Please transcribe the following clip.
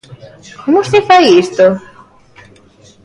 Como se fai isto?